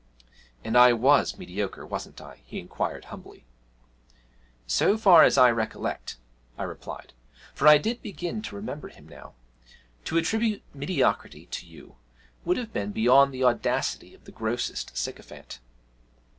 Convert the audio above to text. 'And I was mediocre, wasn't I?' he inquired humbly. 'So far as I recollect,' I replied (for I did begin to remember him now), 'to attribute mediocrity to you would have been beyond the audacity of the grossest sycophant.'